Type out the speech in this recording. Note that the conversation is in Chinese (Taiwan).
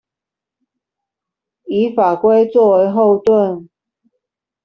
以法規作為後盾